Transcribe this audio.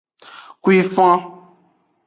Kuifan.